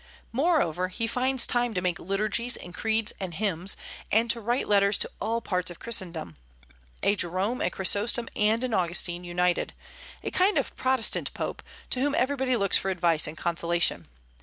Moreover, he finds time to make liturgies and creeds and hymns, and to write letters to all parts of Christendom, a Jerome, a Chrysostom, and an Augustine united; a kind of Protestant pope, to whom everybody looks for advice and consolation.